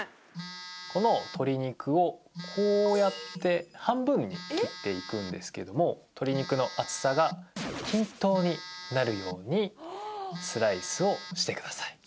この鶏肉をこうやって半分に切っていくんですけども鶏肉の厚さが均等になるようにスライスをしてください